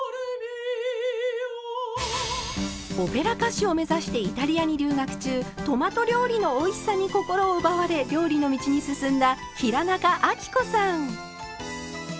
オペラ歌手を目指してイタリアに留学中トマト料理のおいしさに心を奪われ料理の道に進んだ平仲亜貴子さん。